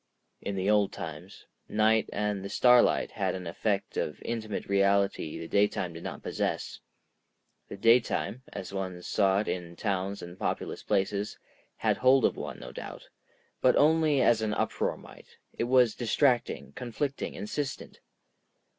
In the old times, night and the starlight had an effect of intimate reality the daytime did not possess. The daytime—as one saw it in towns and populous places—had hold of one, no doubt, but only as an uproar might, it was distracting, conflicting, insistent.